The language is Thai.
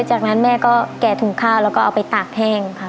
จากนั้นแม่ก็แกะถุงข้าวแล้วก็เอาไปตากแห้งค่ะ